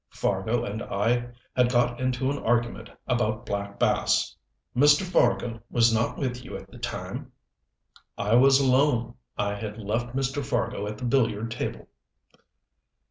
Fargo and I had got into an argument about black bass." "Mr. Fargo was not with you at the time?" "I was alone. I had left Mr. Fargo at the billiard table."